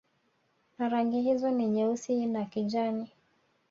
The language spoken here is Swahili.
Na rangi hizo ni Nyeusi na kijani